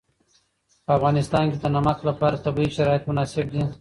په افغانستان کې د نمک لپاره طبیعي شرایط مناسب دي.